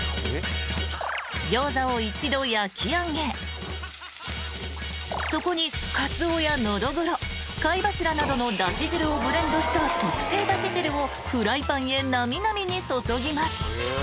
［ギョウザを一度焼き上げそこにカツオやのどぐろ貝柱などのだし汁をブレンドした特製だし汁をフライパンへなみなみに注ぎます］